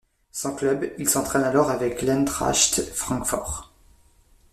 Sans club, il s'entraîne alors avec l'Eintracht Francfort.